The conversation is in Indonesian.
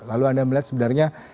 lalu anda melihat sebenarnya